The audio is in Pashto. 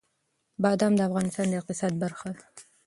بادام د افغانستان د اقتصاد برخه ده.